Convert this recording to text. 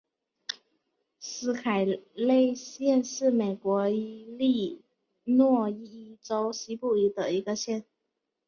斯凯勒县是美国伊利诺伊州西部的一个县。